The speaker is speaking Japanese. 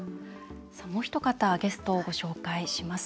もうひと方ゲストをご紹介します。